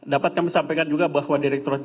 dapat kami sampaikan juga